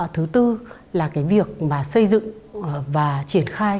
thứ tư là cái việc mà xây dựng và triển khai